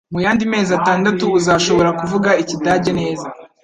Muyandi mezi atandatu uzashobora kuvuga Ikidage neza.